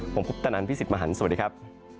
ผมพุทธนันต์พี่สิทธิ์มหันต์สวัสดีครับ